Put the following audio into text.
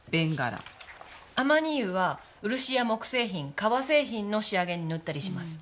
亜麻仁油は漆や木製品革製品の仕上げに塗ったりします。